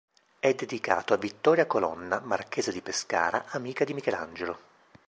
È dedicato a Vittoria Colonna, marchesa di Pescara, amica di Michelangelo.